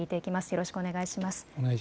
よろしくお願いします。